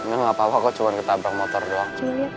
bener gak apa apa kok cuma ketabrak motor doang